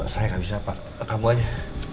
saya nggak bisa pak kamu aja